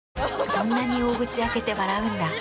そんなに大口開けて笑うんだ。